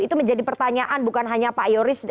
itu menjadi pertanyaan bukan hanya pak yoris